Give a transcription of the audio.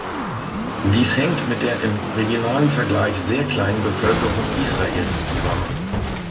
Dies hängt mit der im regionalen Vergleich sehr kleinen Bevölkerung Israels zusammen.